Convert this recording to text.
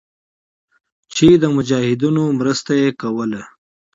چې د مجاهدينو مرسته ئې کوله.